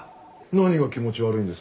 何が気持ち悪いんですか？